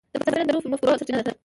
د فضاء څېړنه د نوو مفکورو سرچینه ده.